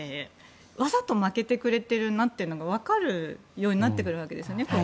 わざと負けてくれてるなというのが子供も分かるようになってくるわけですね。